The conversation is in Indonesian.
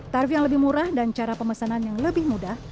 tarif yang lebih murah dan cara pemesanan yang lebih mudah